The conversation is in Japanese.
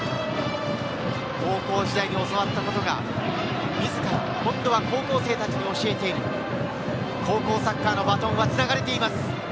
高校時代に教わったことが、自ら今度は高校生たちに教えている、高校サッカーのバトンはつながれています。